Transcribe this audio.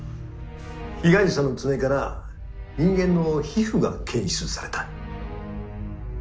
被害者の爪から人間の皮膚が検出された。